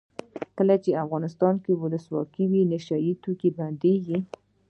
کله چې افغانستان کې ولسواکي وي نشه یي توکي بندیږي.